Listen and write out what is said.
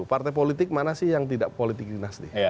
partai politik mana sih yang tidak politik dinasti